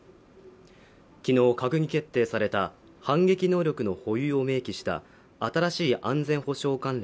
きのう閣議決定された反撃能力の保有を明記した新しい安全保障関連